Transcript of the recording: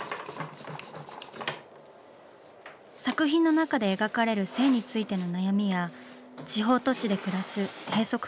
作品の中で描かれる「性」についての悩みや地方都市で暮らす閉塞感。